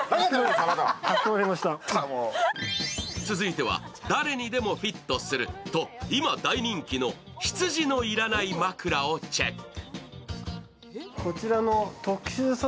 続いては誰にでもヒットすると、今大人気の、ヒツジのいらない枕をチェック。